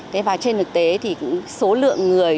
trên thực tế số lượng người